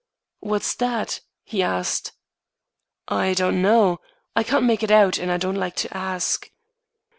"What's that?" he asked. "I don't know; I can't make it out, and I don't like to ask."